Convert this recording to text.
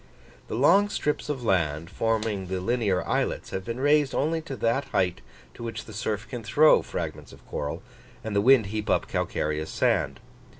The long strips of land, forming the linear islets, have been raised only to that height to which the surf can throw fragments of coral, and the wind heap up calcareous sand.